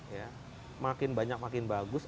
ya makin banyak makin bagus